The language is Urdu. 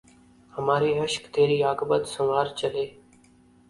ہمارے اشک تری عاقبت سنوار چلے